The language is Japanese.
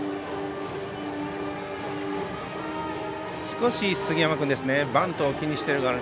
少し杉山君バントを気にしてるかな。